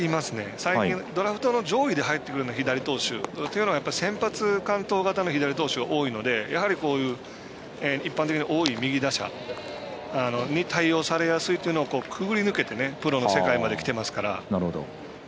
最近、ドラフトの上位で入ってくる左投手は先発完投型の左投手が多いので、こういう一般的に多い右打者に対応されやすいというのをくぐり抜けてプロの世界まできてますから。